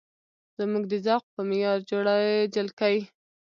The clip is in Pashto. زموږ د ذوق په معیار جوړې جلکۍ